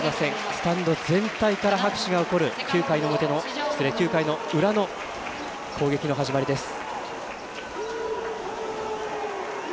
スタンド全体から拍手が起こる９回の裏の攻撃の始まりです。